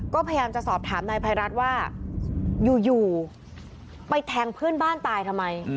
ก็พยายามจะสอบถามนายภัยรัฐว่าอยู่ไปแทงเพื่อนบ้านตายทำไม